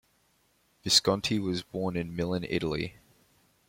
Visconti was born in Milan, Italy.